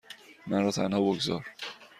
من را تنها بگذار.